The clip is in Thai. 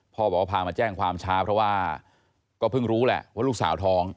พ่อบอกว่าพามาแจ้งความช้าเพราะว่าก็เพิ่งรู้แหละว่าลูกสาวท้อง